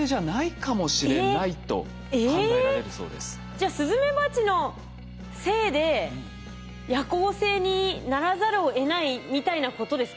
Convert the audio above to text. じゃあスズメバチのせいで夜行性にならざるを得ないみたいなことですか？